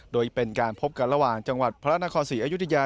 โดยเป็นการพบกันระหว่างจังหวัดพระนครศรีอยุธยา